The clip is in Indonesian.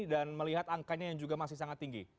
dan melihat angkanya yang juga masih sangat tinggi